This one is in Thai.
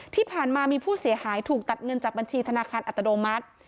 ที่ผ่านมามีผู้เสียหายถูกตัดเงินจากบัญชีธนาคารอัตโนมัติ